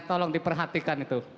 tolong diperhatikan itu